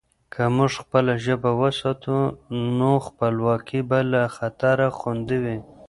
که موږ خپله ژبه وساتو، نو خپلواکي به له خطره خوندي وي.